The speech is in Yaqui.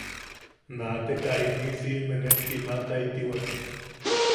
Naateka, iniʼi siʼime net kiimataitiwak.